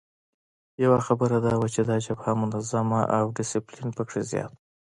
یوه خبره دا وه چې دا جبهه منظمه او ډسپلین پکې زیات وو.